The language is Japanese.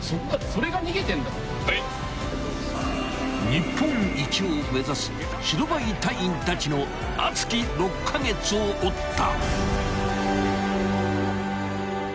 ［日本一を目指す白バイ隊員たちの熱き６カ月を追った］